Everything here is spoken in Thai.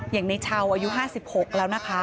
อย่างในเช้าอายุ๕๖แล้วนะคะ